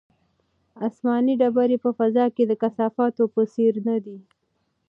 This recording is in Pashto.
آسماني ډبرې په فضا کې د کثافاتو په څېر نه دي.